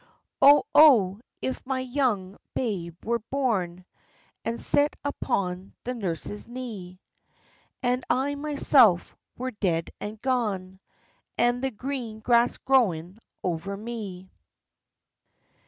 Oh, oh! if my young babe were born, And set upon the nurse's knee; And I myself were dead and gane, And the green grass growing over me!